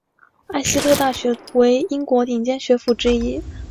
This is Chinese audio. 艾希特大学为英国顶尖学府之一。